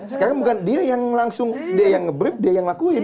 sekarang bukan dia yang langsung dia yang nge brief dia yang lakuin